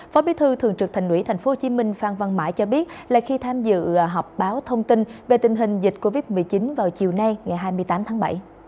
phó bí thư thường trực thành ủy tp hcm phan văn mãi cho biết là khi tham dự họp báo thông tin về tình hình dịch covid một mươi chín vào chiều nay ngày hai mươi tám tháng bảy